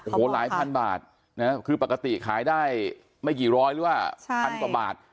โอ้โหหลายพันบาทนะคือปกติขายได้ไม่กี่ร้อยหรือว่าพันกว่าบาท